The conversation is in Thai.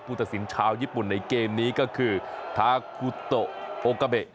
พุทธศิลป์ชาวญี่ปุ่นในเกมนี้ก็คือทาคุโตโอกาเบ